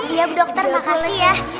iya dokter makasih ya